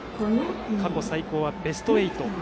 過去最高はベスト８。